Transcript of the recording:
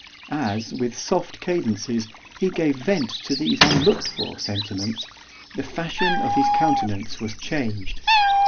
As, with soft cadences, he gave vent to these unlooked for sentiments, the fashion of his countenance was changed.